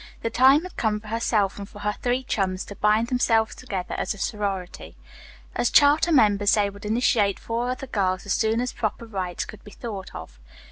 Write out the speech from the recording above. The time had come for herself and for her three chums to bind themselves together as a sorority. As charter members, they would initiate four other girls, as soon as proper rites could be thought of.